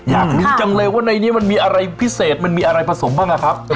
อยากรู้จังเลยว่าในนี้มันมีอะไรพิเศษมันมีอะไรผสมบ้างอะครับ